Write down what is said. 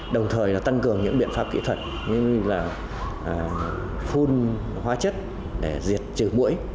đồng thời tăng cường những biện pháp kỹ thuật như là phun hóa chất để diệt trừ mũi